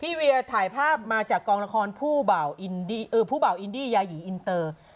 พี่เวียถ่ายภาพมาจากกองละครผู้เบาอินดีเออผู้เบาอินดียายีอินเตอร์